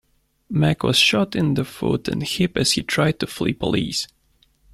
Mack was shot in the foot and hip as he tried to flee police.